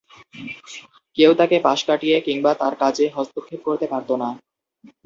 কেউ তাকে পাশ কাটিয়ে কিংবা তার কাজে হস্তক্ষেপ করতে পারতো না।